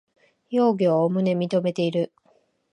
容疑をおおむね認めている